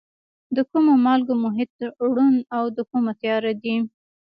د کومو مالګو محیط روڼ او د کومو تیاره دی؟